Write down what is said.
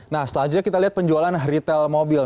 nah selanjutnya kita lihat penjualan retail mobil